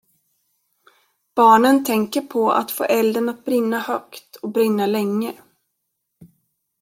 Barnen tänker på att få elden att brinna högt och brinna länge.